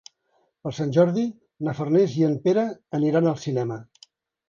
Per Sant Jordi na Farners i en Pere aniran al cinema.